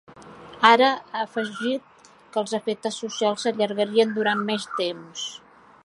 Ara, ha afegit que els efectes socials s’allargarien durant més temps.